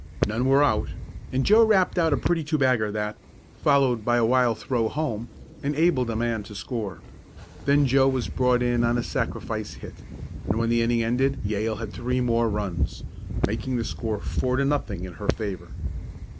None were out, and Joe rapped out a pretty two bagger that, followed by a wild throw home, enabled a man to score. Then Joe was brought in on a sacrifice hit, and when the inning ended Yale had three more runs, making the score four to nothing in her favor.